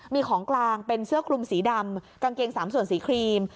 มีของกลางเป็นเสื้อคลุมสีดำกางเกง๓ส่วนสีครีม